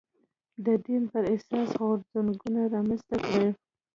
د دین پر اساس غورځنګونه رامنځته کړي